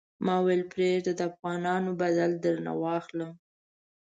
ما ویل پرېږده د افغانانو بدل درنه واخلم.